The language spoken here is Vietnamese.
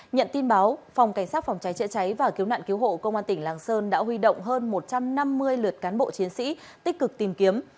nhận tin báo phòng cảnh sát phòng cháy chữa cháy và cứu nạn cứu hộ công an tỉnh lạng sơn đã huy động hơn một trăm năm mươi lượt cán bộ chiến sĩ tích cực tìm kiếm